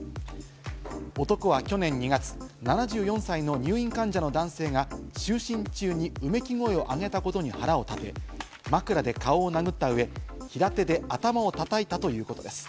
男は去年２月、７４歳の入院患者の男性が就寝中にうめき声を上げたことに腹を立て、枕で顔を殴った上、平手で頭をたたいたということです。